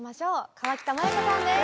河北麻友子さんです！